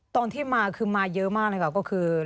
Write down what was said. ตอนที่มาคือมาเยอะมากก็คือ